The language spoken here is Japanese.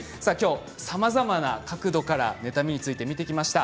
さまざまな角度から妬みについて見てきました。